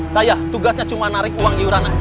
saya tugasnya cuma narik uang iuran aja